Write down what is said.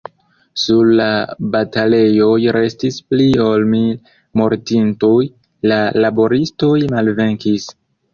Sur la batalejoj restis pli ol mil mortintoj; la laboristoj malvenkis.